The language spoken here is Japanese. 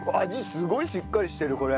すごいしっかりしてるこれ。